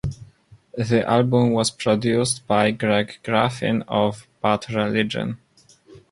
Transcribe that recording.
The album was produced by Greg Graffin of Bad Religion.